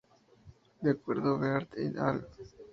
De acuerdo a Beard "et al.